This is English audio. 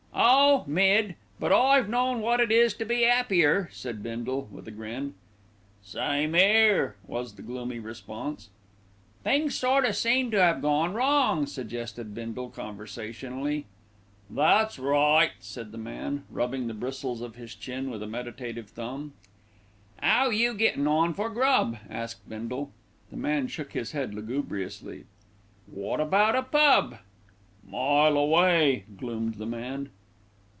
"Oh! mid; but I've known wot it is to be 'appier," said Bindle, with a grin. "Same 'ere," was the gloomy response. "Things sort o' seem to 'ave gone wrong," suggested Bindle conversationally. "That's right," said the man, rubbing the bristles of his chin with a meditative thumb. "'Ow you gettin' on for grub?" asked Bindle. The man shook his head lugubriously. "What about a pub?" "Mile away," gloomed the man.